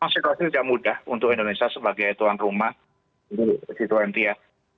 mas rikwasi sudah mudah untuk indonesia sebagai tuan rumah di g dua puluh ya